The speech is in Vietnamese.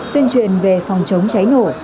tuyên truyền về phòng chống cháy nổ